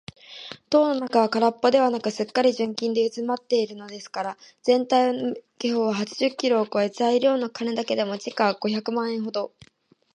塔の中はからっぽではなく、すっかり純金でうずまっているのですから、ぜんたいの目方は八十キロをこえ、材料の金だけでも時価五百万円ほど